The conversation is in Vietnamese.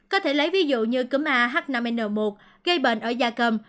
có thể lấy ví dụ như cúm ah năm n một gây bệnh ở da cầm